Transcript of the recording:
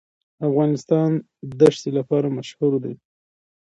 افغانستان د ښتې لپاره مشهور دی.